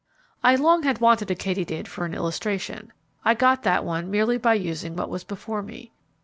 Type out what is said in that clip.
I long had wanted a katydid for an illustration. I got that one merely by using what was before me.